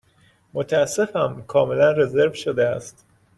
متأسفم، کاملا رزرو شده است.